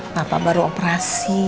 papa baru operasi